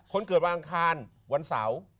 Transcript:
คนเกิดวันอังคารวันเสาร์